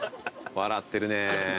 笑ってる。